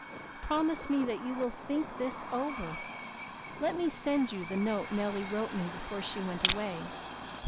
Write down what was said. Promise me that you will think this over. Let me send you the note Nellie wrote me before she went away.